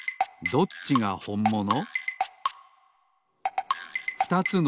どっちがほんもの？